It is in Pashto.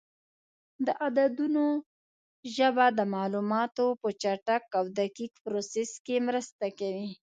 د عددونو ژبه د معلوماتو په چټک او دقیق پروسس کې مرسته کوي.